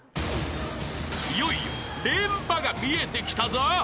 ［いよいよ連覇が見えてきたぞ。